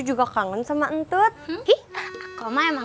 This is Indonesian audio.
ituku seperti ada ada